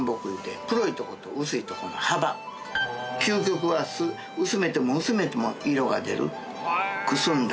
究極は薄めても薄めても色が出るくすんだ